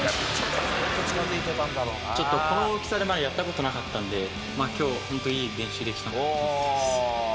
ちょっとこの大きさでまだやったことなかったんで、きょう、本当、いい練習できたなと思います。